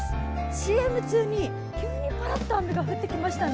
ＣＭ中に、急にパラっと雨が降ってきましたね。